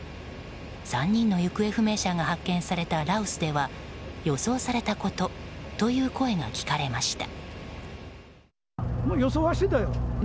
３人の行方不明者が発見された羅臼では予想されたことという声が聞かれました。